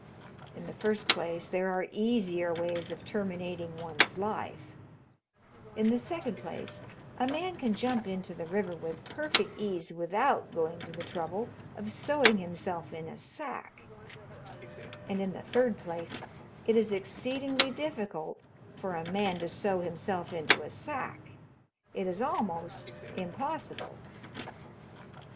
In the first place there are easier ways of terminating one's life; in the second place a man can jump into the river with perfect ease without going to the trouble of sewing himself in a sack; and in the third place it is exceedingly difficult for a man to sew himself into a sack. It is almost impossible.